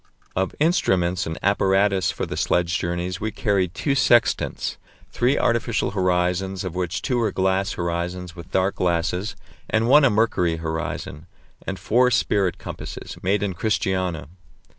Of instruments and apparatus for the sledge journeys we carried two sextants, three artificial horizons, of which two were glass horizons with dark glasses, and one a mercury horizon, and four spirit compasses, made in Christiania.